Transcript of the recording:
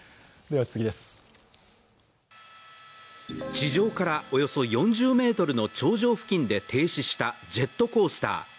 地上からおよそ４０ｍの頂上付近で停止したジェットコースター。